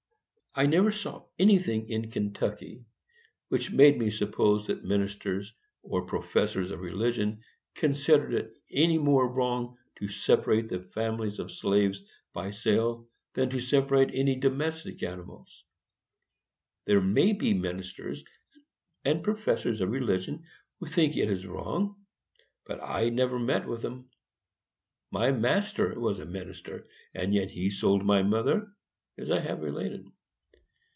I never saw anything in Kentucky which made me suppose that ministers or professors of religion considered it any more wrong to separate the families of slaves by sale than to separate any domestic animals. There may be ministers and professors of religion who think it is wrong, but I never met with them. My master was a minister, and yet he sold my mother, as I have related.